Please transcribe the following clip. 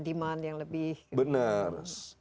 demand yang lebih bener